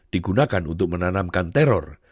digunakan untuk menanamkan teror